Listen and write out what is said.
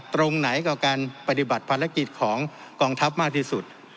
ตรงไหนกับการปฏิบัติภารกิจของกองทัพมากที่สุด